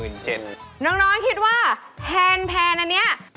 น้องคิดว่าแพนอันนี้